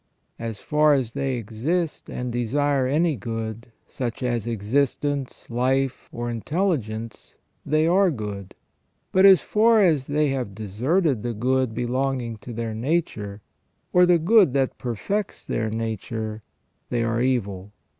As far as they exist and desire any good, such as existence, life, or intelligence, they are good ; but as far as they have deserted the good belonging to their nature, or the good that perfects their nature, they are evil.